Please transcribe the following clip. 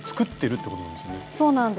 そうなんです。